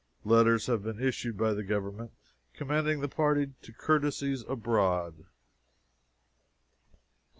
Letters have been issued by the government commending the party to courtesies abroad.